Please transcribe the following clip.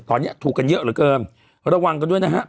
ตอนนี้ถูกกันเยอะเหลือเกินระวังกันด้วยนะฮะ